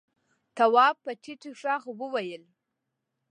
تواب په ټيټ غږ وويل: